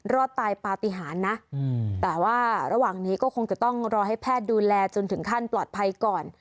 รอดตายปฏิหารนะแต่ว่าระหว่างนี้ก็คงจะต้องรอให้แพทย์ดูแลจนถึงขั้นปลอดภัยก่อน